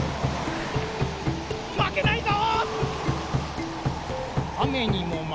まけないぞ！